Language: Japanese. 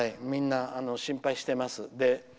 みんな心配しています。